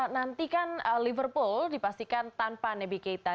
nantikan liverpool dipastikan tanpa nebikita